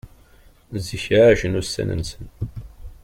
Zik εacen ussan-nsen.